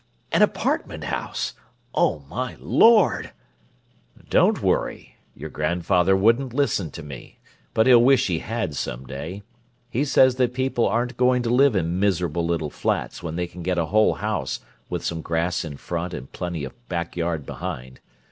"An apartment house! Oh, my Lord!" "Don't worry! Your grandfather wouldn't listen to me, but he'll wish he had, some day. He says that people aren't going to live in miserable little flats when they can get a whole house with some grass in front and plenty of backyard behind.